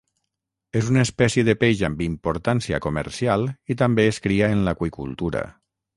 És una espècie de peix amb importància comercial i també es cria en l'aqüicultura.